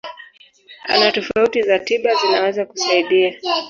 Aina tofauti za tiba zinaweza kusaidia.